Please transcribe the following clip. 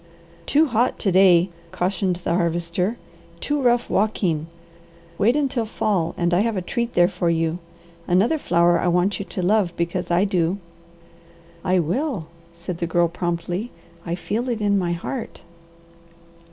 "Too hot to day," cautioned the Harvester. "Too rough walking. Wait until fall, and I have a treat there for you. Another flower I want you to love because I do." "I will," said the Girl promptly. "I feel it in my heart."